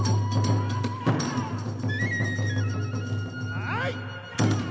はい！